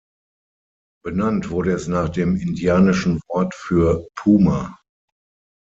Benannt wurde es nach dem indianischen Wort für "Puma".